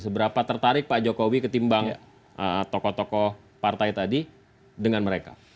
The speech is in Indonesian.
seberapa tertarik pak jokowi ketimbang tokoh tokoh partai tadi dengan mereka